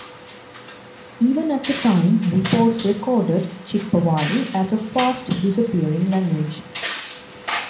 Even at that time, reports recorded Chitpavani as a fast disappearing language.